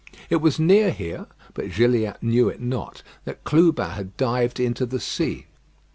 It was near here, but Gilliatt knew it not, that Clubin had dived into the sea.